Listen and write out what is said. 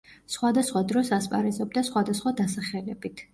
სხვადასხვა დროს ასპარეზობდა სხვადასხვა დასახელებით.